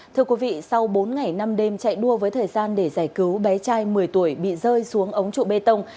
thưa quý vị sau bốn ngày năm đêm chạy đua với thời gian để giải cứu bé trai một mươi tuổi bị rơi xuống ống trụ bê tông